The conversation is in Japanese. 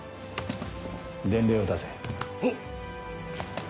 伝令を出せ。はっ！